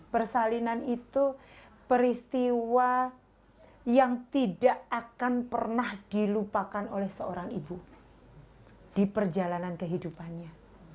persalinan itu peristiwa yang tidak akan pernah dilupakan oleh seorang ibu di perjalanan kehidupannya